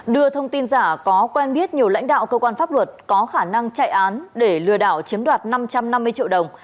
đưa thông tin giả có quen biết nhiều lãnh đạo cơ quan pháp luật có khả năng chạy án để lừa đảo chiếm đoạt năm trăm năm mươi triệu đồng